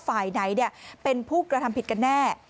ฝ่ายไหนเป็นผู้กระทำผิดกันแน่